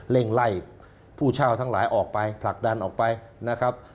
่งไล่ผู้เช่าทั้งหลายออกไปผลักดันออกไปนะครับ